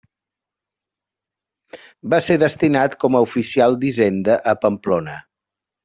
Va ser destinat com a oficial d'Hisenda a Pamplona.